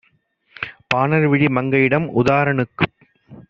பானல்விழி மங்கையிடம் "உதார னுக்குப்